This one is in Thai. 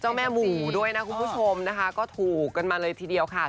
แม่หมู่ด้วยนะคุณผู้ชมนะคะก็ถูกกันมาเลยทีเดียวค่ะ